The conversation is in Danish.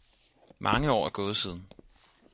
Mange år er gået siden.